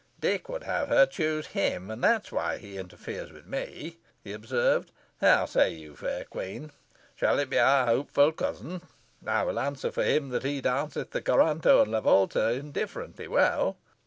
"Dick would have her choose him, and that is why he interferes with me," he observed. "How say you, fair queen! Shall it be our hopeful cousin? I will answer for him that he danceth the coranto and lavolta indifferently well."